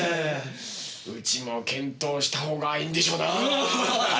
うちも検討した方がいいんでしょうなあ。